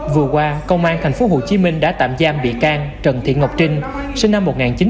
vừa qua công an tp hcm đã tạm giam bị can trần thị ngọc trinh sinh năm một nghìn chín trăm tám mươi